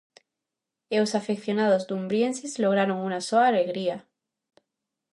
E os afeccionados dumbrieses lograron unha soa alegría.